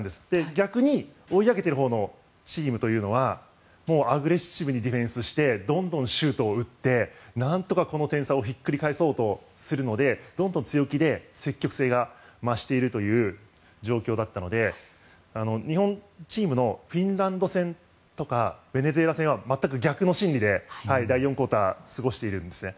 逆に追い上げているほうのチームというのはアグレッシブにディフェンスしてどんどんシュートを打ってなんとかこの点差をひっくり返そうとするのでどんどん強気で積極性が増しているという状況だったので日本チームのフィンランド戦とかベネズエラ戦は全く逆の心理で第４クオーター過ごしているんですね。